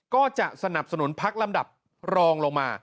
ก็จะสนับสนุนพักลำดับรองลงมา